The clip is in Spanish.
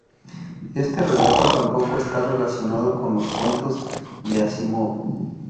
Este relato tampoco está relacionado con los cuentos de Asimov.